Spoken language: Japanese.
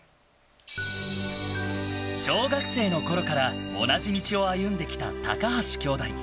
小学生のころから同じ道を歩んできた高橋兄弟。